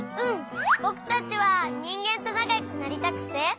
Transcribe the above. ぼくたちはにんげんとなかよくなりたくて。